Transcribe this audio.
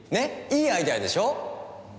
いいアイデアでしょ？